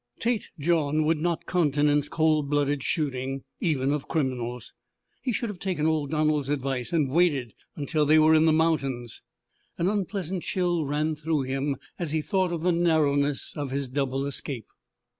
Tête Jaune would not countenance cold blooded shooting, even of criminals. He should have taken old Donald's advice and waited until they were in the mountains. An unpleasant chill ran through him as he thought of the narrowness of his double escape.